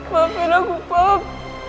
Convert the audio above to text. maafin aku pak